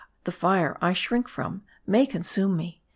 The fire I shrink from, may consume me.